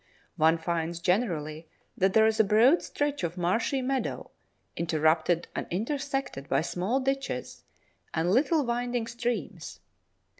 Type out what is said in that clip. One finds generally that there is a broad stretch of marshy meadow interrupted and intersected by small ditches and little winding streams.